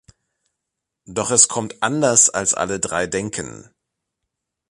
Doch es kommt anders als alle drei denken.